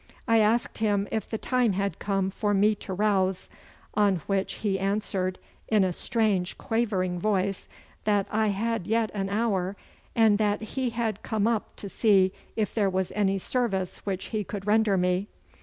I asked him if the time had come for me to rouse, on which he answered in a strange quavering voice that I had yet an hour, and that he had come up to see if there was any service which he could render me.